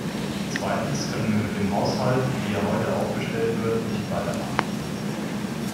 Zweitens können wir mit dem Haushalt, wie er heute aufgestellt wird, nicht weitermachen.